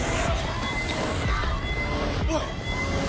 おい！